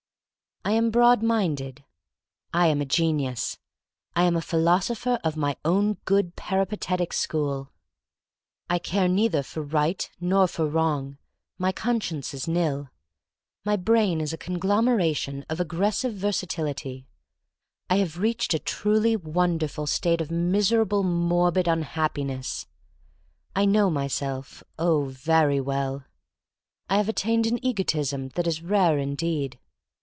I am broad minded. I am a genius. I am a philosopher of my own good peripatetic school. r 2 THE STORY OF MARY MAC LANE I care neither for right nor for wrong — my conscience is nil. My brain is a conglomeration of ag gressive versatility. I have reached a truly wonderful state of miserable morbid unhappiness. I know myself, oh, very well. I have attained an egotism that is rare indeed.